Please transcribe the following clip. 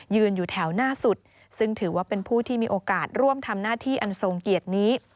อยู่แถวหน้าสุดซึ่งถือว่าเป็นผู้ที่มีโอกาสร่วมทำหน้าที่อันทรงเกียรตินี้